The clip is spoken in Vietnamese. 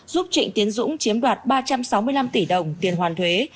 giúp trịnh tiến dũng chiếm đoạt ba trăm sáu mươi năm tỷ đồng tiền hoàn thuế